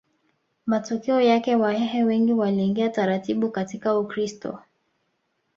Matokeo yake Wahehe wengi waliingia taratibu katika Ukristo